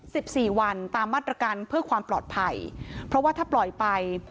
สิบสี่วันตามมาตรการเพื่อความปลอดภัยเพราะว่าถ้าปล่อยไป